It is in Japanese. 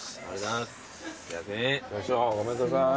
ありがとうございます。